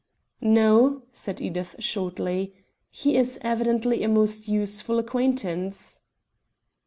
"No," said Edith shortly. "He is evidently a most useful acquaintance."